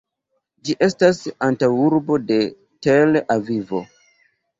Ĝi estas antaŭurbo de Tel-Avivo.